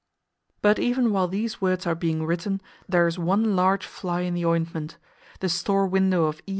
But even while these words are being written, there is one large fly in the ointment. The store window of E.